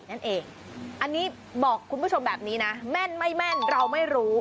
นั่นเองอันนี้บอกคุณผู้ชมแบบนี้นะแม่นไม่แม่นเราไม่รู้